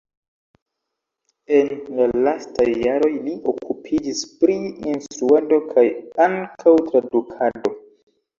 En la lastaj jaroj li okupiĝis pri instruado kaj ankaŭ tradukado.